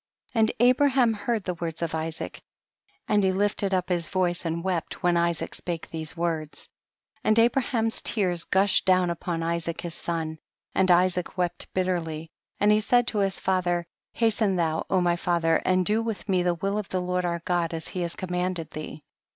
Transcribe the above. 63. And Abraham heard the words of Isaac, and he lifted up his voice and wept when Isaac spake these W'ords ; and Abrab.am's tears gushed down upon Isaac his son, and Isaac wept bitterly, and he said to his father, hasten tliou, my father, and do with mc the will of the Lord our God as he has com manded thee.